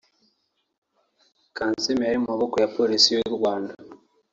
Kansiime yari mu maboko ya Polisi y’u Rwanda